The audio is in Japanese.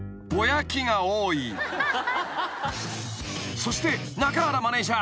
［そして中原マネジャー。